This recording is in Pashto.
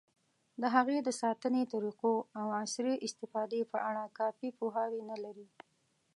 د هغې د ساتنې طریقو، او عصري استفادې په اړه کافي پوهاوی نه لري.